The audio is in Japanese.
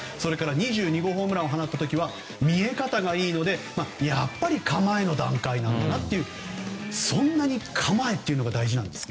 ２２号ホームランを放った時は見え方がいいのでやっぱり構えの段階なんだというそんなに構えが大事なんですね。